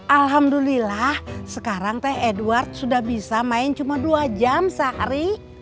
alhamdulillah sekarang teh edward sudah bisa main cuma dua jam sehari